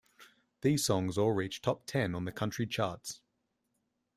These songs all reached Top Ten on the country charts.